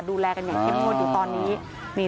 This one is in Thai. ดูแลกันอย่างเข้มงวดอยู่ตอนนี้